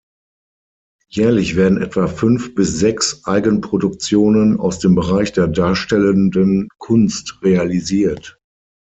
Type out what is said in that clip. Jährlich werden etwa fünf bis sechs Eigenproduktionen aus dem Bereich der darstellenden Kunst realisiert.